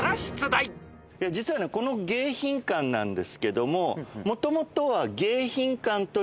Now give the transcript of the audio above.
実はこの迎賓館なんですけども。